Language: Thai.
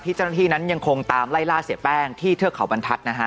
เจ้าหน้าที่นั้นยังคงตามไล่ล่าเสียแป้งที่เทือกเขาบรรทัศน์นะฮะ